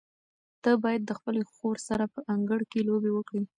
ته باید د خپلې خور سره په انګړ کې لوبې وکړې.